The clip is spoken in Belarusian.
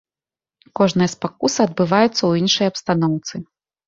Кожная спакуса адбываецца ў іншай абстаноўцы.